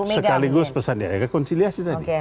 sekaligus pesan ya rekonciliasi tadi